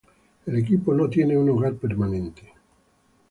El equipo no tiene un hogar permanente.